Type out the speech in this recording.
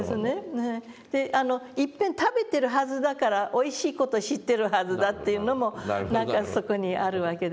いっぺん食べてるはずだからおいしい事知ってるはずだっていうのも何かそこにあるわけですね。